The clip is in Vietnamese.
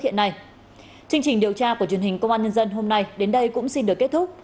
chương trình điều tra của truyền hình công an nhân dân hôm nay đến đây cũng xin được kết thúc